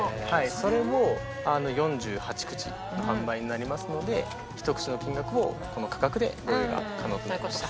それを４８口販売になりますので１口の金額をこの価格でご用意が可能という事です。